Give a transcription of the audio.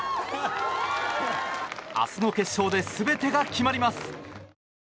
明日の決勝で全てが決まります。